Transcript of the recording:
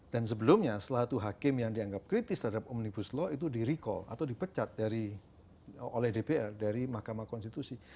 dan sebelumnya salah satu hakim yang dianggap kritis terhadap omnibus law itu di recall atau dipecat oleh dpr dari makam konstitusi